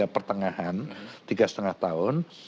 dua ribu tiga pertengahan tiga lima tahun